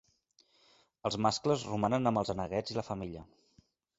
Els mascles romanen amb els aneguets i la femella.